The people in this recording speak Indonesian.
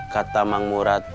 kata mang murad